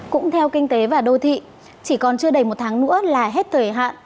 cũng theo kinh tế và đô thị chỉ còn chưa đầy một tháng nữa là hết thời hạn